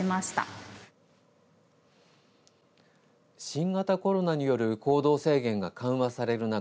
新型コロナによる行動制限が緩和される中